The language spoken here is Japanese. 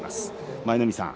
舞の海さん